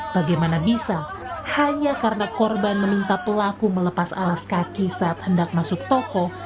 bagaimana bisa hanya karena korban meminta pelaku melepas alas kaki saat hendak masuk toko